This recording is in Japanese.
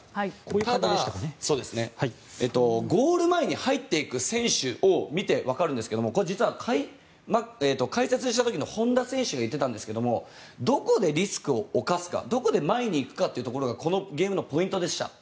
ただ、ゴール前に入っていく選手を見てわかるんですが実は解説した時の本田選手が言っていたんですがどこでリスクを冒すかどこで前に行くかっていうところがこのゲームのポイントでした。